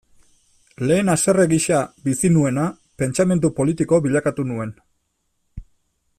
Lehen haserre gisa bizi nuena, pentsamendu politiko bilakatu nuen.